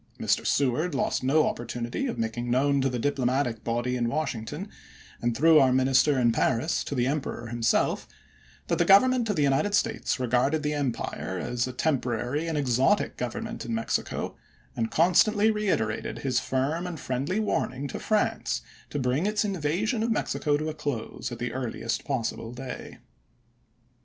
Mr. Seward lost no op portunity of making known to the diplomatic body in Washington, and through our minister in Paris to the Emperor himself, that the Government of the United States regarded the empire as a tem porary and exotic government in Mexico, and con stantly reiterated his firm and friendly warning to France to bring its invasion of Mexico to a close at the earliest possible day.